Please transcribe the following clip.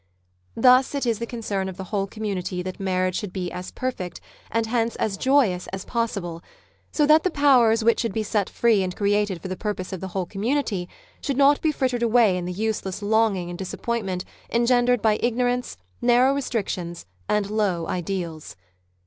Thus it is the concern of the whole community that marriage should be as perfect, and hence as joyous as possible; so that the powers which should be set tree and created for the purpose of the whole community should not be frittered away in the useless longing and disappointment engendered by ignor ance, narrow restrictions, and low ideals.